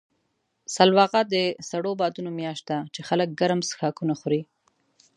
سلواغه د سړو بادونو میاشت ده، چې خلک ګرم څښاکونه خوري.